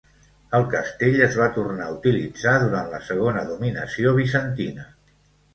El castell es va tornar a utilitzar durant la segona dominació bizantina.